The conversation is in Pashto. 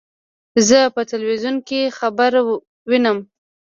زه په ټلویزیون کې خبر وینم.